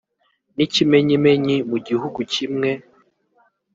n’ikimenyimenyi mu gihugu kimwe